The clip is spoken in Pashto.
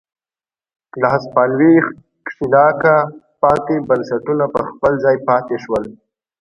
له هسپانوي ښکېلاکه پاتې بنسټونه پر خپل ځای پاتې شول.